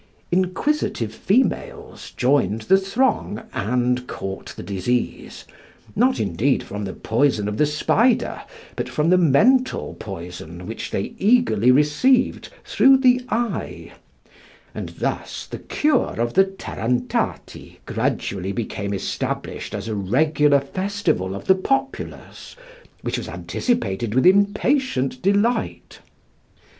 Inquisitive females joined the throng and caught the disease, not indeed from the poison of the spider, but from the mental poison which they eagerly received through the eye; and thus the cure of the tarantati gradually became established as a regular festival of the populace, which was anticipated with impatient delight.